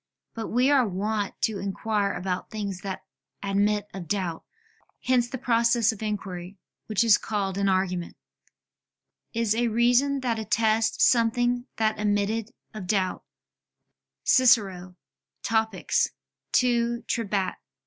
But we are wont to inquire about things that admit of doubt; hence the process of inquiry, which is called an argument, "is a reason that attests something that admitted of doubt" [*Cicero, Topic. ad Trebat.